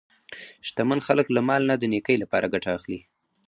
شتمن خلک له مال نه د نیکۍ لپاره ګټه اخلي.